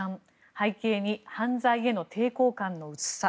背景に犯罪への抵抗感の薄さ。